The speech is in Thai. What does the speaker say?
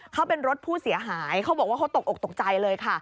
เขาเป็นรถผู้เสียหายเขาบอกว่าเขาตกอกตกใจเลยค่ะ